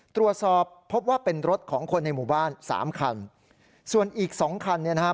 ตรวจสอบพบว่าเป็นรถของคนในหมู่บ้านสามคันส่วนอีกสองคันเนี่ยนะครับ